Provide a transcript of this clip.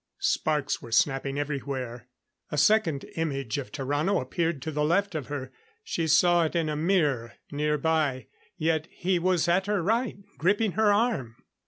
Sparks were snapping everywhere. A second image of Tarrano appeared to the left of her she saw it in a mirror nearby yet he was at her right, gripping her arm.